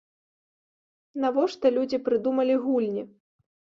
Навошта людзі прыдумалі гульні?